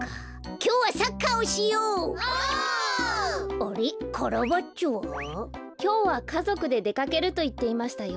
きょうはかぞくででかけるといっていましたよ。